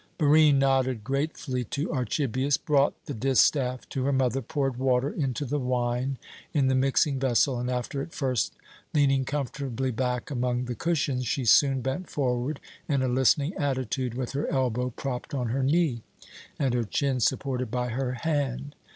Barine nodded gratefully to Archibius, brought the distaff to her mother, poured water into the wine in the mixing vessel, and after at first leaning comfortably back among the cushions, she soon bent forward in a listening attitude, with her elbow propped on her knee, and her chin supported by her hand.